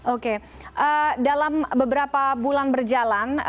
oke dalam beberapa bulan berjalan